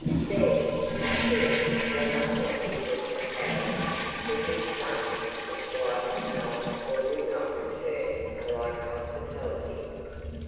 Then, of course, they must not visit at houses to whose sons the Squire could not or would not return a like hospitality.